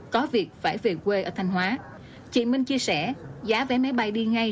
chỉ khoảng hai năm công suất